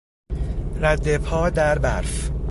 ردپا در برف